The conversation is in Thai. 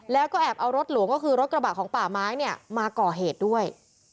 แล้วก็แอบเอารถหลวงก็คือรถกระบะของป่าไม้เนี่ยมาก่อเหตุด้วย